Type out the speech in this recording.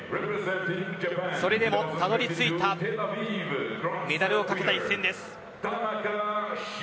それでもたどり着いたメダルを懸けた一戦です。